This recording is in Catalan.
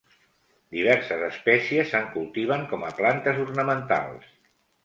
Diverses espècies se'n cultiven com a plantes ornamentals.